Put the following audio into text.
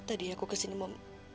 tadi aku kesini mau